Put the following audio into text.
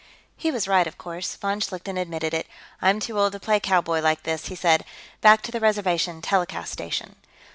He was right, of course. Von Schlichten admitted it. "I'm too old to play cowboy, like this," he said. "Back to the Reservation, telecast station."